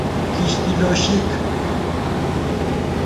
کِشتی لوشِک